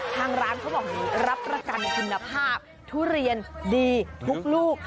ทางร้านเขาบอกอย่างนี้รับประกันคุณภาพทุเรียนดีทุกลูก